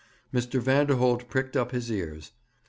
Mr. Vanderholt pricked up his ears.